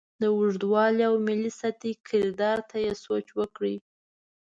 د اوږدوالي او ملي سطحې کردار ته یې سوچ وکړې.